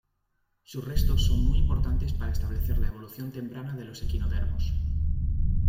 Sus restos son muy importantes para establecer la evolución temprana de los equinodermos.